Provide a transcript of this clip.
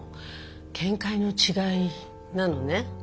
見解の違いなのね？